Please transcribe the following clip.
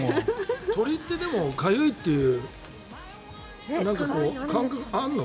鳥ってかゆいっていう感覚あるの？